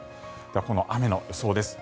この雨の予想です。